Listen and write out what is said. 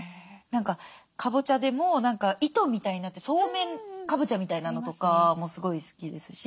何かカボチャでも糸みたいになってそうめんカボチャみたいなのとかもすごい好きですし。